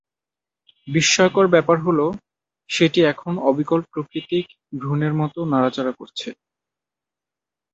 বিস্ময়কর ব্যাপার হলো, সেটি এখন অবিকল প্রাকৃতিক ভ্রূণের মতো নড়াচড়া করছে।